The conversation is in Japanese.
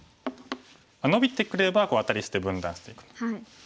ノビてくればアタリして分断していく。